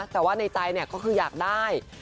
แต่ว่าในใจก็คืออยากได้